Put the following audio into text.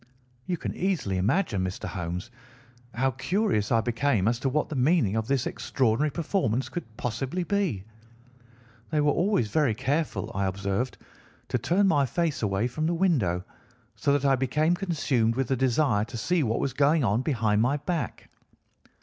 "You can easily imagine, Mr. Holmes, how curious I became as to what the meaning of this extraordinary performance could possibly be. They were always very careful, I observed, to turn my face away from the window, so that I became consumed with the desire to see what was going on behind my back.